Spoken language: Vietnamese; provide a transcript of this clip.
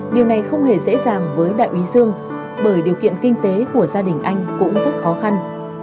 điều này không hề dễ dàng với đại úy dương bởi điều kiện kinh tế của gia đình anh cũng rất khó khăn